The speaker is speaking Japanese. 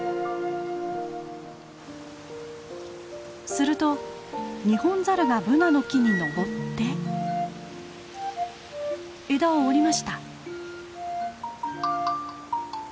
するとニホンザルがブナの木に登って枝を折りました！